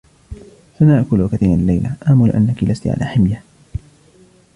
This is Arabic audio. سنأكل كثيرًا الليلة ، آمل أنك لست على حمية.